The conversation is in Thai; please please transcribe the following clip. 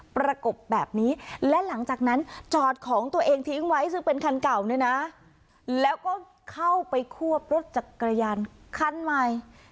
ประกบแบบนี้และหลังจากนั้นจอดของตัวเองทิ้งไว้ซึ่งเป็นคันเก่าด้วยนะแล้วก็เข้าไปควบรถจักรยานคันใหม่